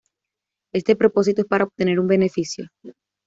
Este propósito es para obtener un beneficio.